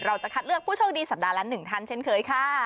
เราจะคัดเลือกผู้โชคดีสัปดาห์ละ๑ท่านเช่นเคยค่ะ